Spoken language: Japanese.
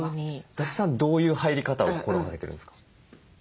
伊達さんどういう入り方を心がけてるんですか？